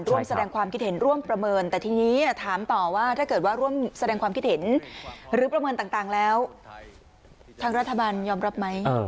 ถามต่อว่าถ้าเกิดว่าร่วมแสดงความคิดเห็นหรือประเมินต่างแล้วทางรัฐบาลยอมรับไหม